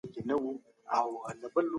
هیڅوک باید تبعیض ونه زغمي.